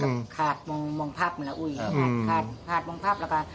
เอาไปบอกดึงเลย